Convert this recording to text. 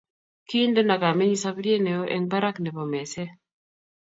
Kindeno kamenyi saburiet neoo eng barak nebo meset